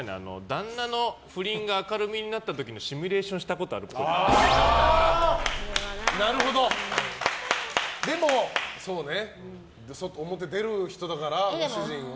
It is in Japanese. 旦那の不倫があかるみになった時のシミュレーションしたことなるほど、でも表出る人だから、ご主人は。